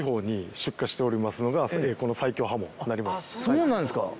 そうなんですか。